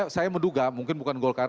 saya menduga mungkin bukan golkar